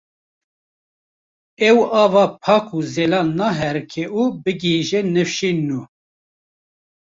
ew ava pak û zelal naherike ku bigihîje nifşên nû